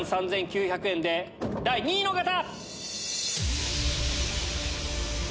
２万３９００円で第２位の方！